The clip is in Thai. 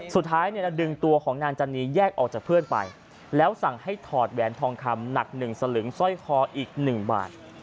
สุดท้ายเนี่ยดึงตัวของนางจันนีแยกออกจากเพื่อนไปแล้วสั่งให้ถอดแหวนทองคำหนัก๑สลึงสร้อยคออีก๑บาท